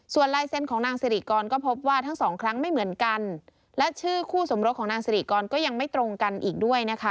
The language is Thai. ส่วนลายเซ็นต์ของนางสิริกรก็พบว่าทั้งสองครั้งไม่เหมือนกันและชื่อคู่สมรสของนางสิริกรก็ยังไม่ตรงกันอีกด้วยนะคะ